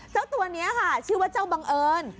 เจ้าตัวนี้ค่ะชื่อว่าเจ้าบังเอิญ